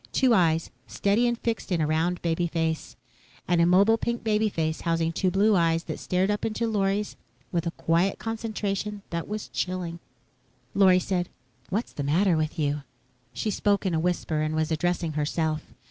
Two eyes, steady and fixed in a round baby face. An immobile, pink baby face housing two blue eyes that stared up into Lorry's with a quiet concentration that was chilling. Lorry said, "What's the matter with you?" She spoke in a whisper and was addressing herself.